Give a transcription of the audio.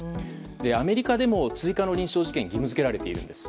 アメリカでも追加の認証試験が義務付けられているんです。